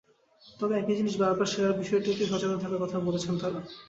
তবে একই জিনিস বারবার শেয়ার বিষয়টিতেও সচেতন থাকার কথা বলেছেন তাঁরা।